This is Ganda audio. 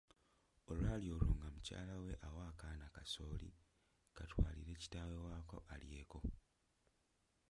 Olwali olwo nga mukyalawe awa kaana kasooli kamutwalire kitaawe waako alyeko.